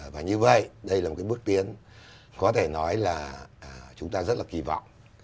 và như vậy đây là một cái bước tiến có thể nói là chúng ta rất là kỳ vọng